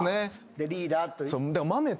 でリーダーという。